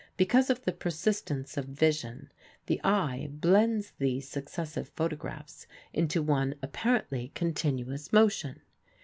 Because of the persistence of vision the eye blends these successive photographs into one apparently continuous motion.